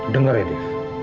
dengar ya dev